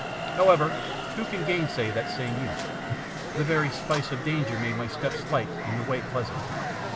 However, who can gainsay that same youth? The very spice of danger made my steps light and the way pleasant.